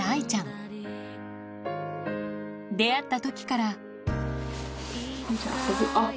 出会った時からあっ。